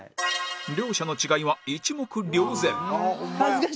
両者の違いは一目瞭然